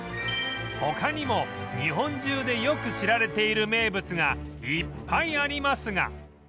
他にも日本中でよく知られている名物がいっぱいありますが